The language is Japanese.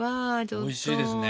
おいしいですね。